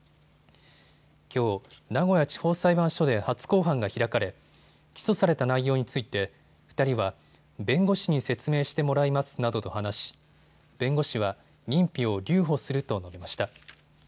きょう名古屋地方裁判所で初公判が開かれ起訴された内容について２人は弁護士に説明してもらいますなどと話し弁護士は認否を留保すると述べました。